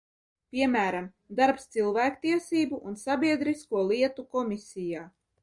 Piemēram, darbs Cilvēktiesību un sabiedrisko lietu komisijā.